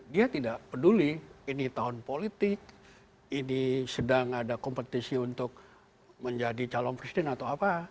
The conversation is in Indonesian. dia tidak peduli ini tahun politik ini sedang ada kompetisi untuk menjadi calon presiden atau apa